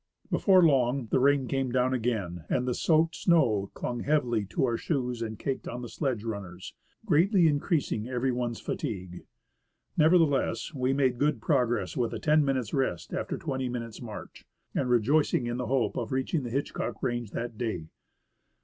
Before long the rain came down again, and the soaked snow clung heavily to our shoes and caked on the sledge runners, greatly increasing every one's fatigue. Nevertheless, we made good pro gress with a ten minutes' rest after twenty minutes' march, and rejoicing in the hope of reaching the Hitchcock range that day.